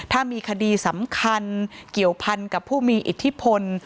ถ้ามีคดีสำคัญเกี่ยวพันกับผู้มีอิทธิพล